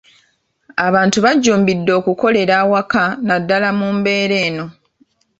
Abantu bajjumbidde okukolera awaka naddala mu mbeera eno.